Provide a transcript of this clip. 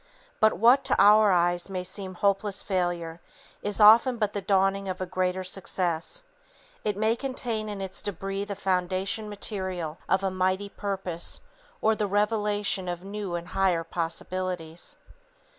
But what, to our eyes, may seem hopeless failure is often but the dawning of a greater success. It may contain in its debris the foundation material of a mighty purpose, or the revelation of new and higher possibilities.